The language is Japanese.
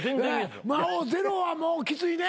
魔王ゼロはきついね。